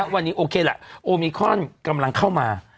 วันนี้โอเคล่ะโอมิคอนกำลังเข้ามา